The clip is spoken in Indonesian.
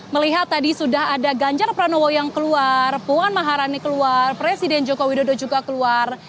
melihat tadi sudah ada ganjar pranowo yang keluar puan maharani keluar presiden joko widodo juga keluar